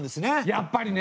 やっぱりね！